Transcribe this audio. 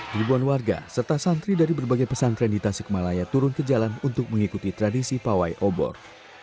ribuan warga serta santri dari berbagai pesantren di tasikmalaya turun ke jalan untuk mengikuti tradisi pawai obor